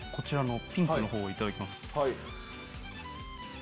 ピンクのほういただきます。